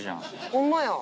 ホンマや。